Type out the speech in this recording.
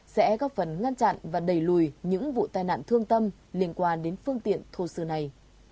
sẽ góp phần ngăn chặn và đẩy lùi những vụ tai nạn thương tâm liên quan đến phương tiện thô sơ này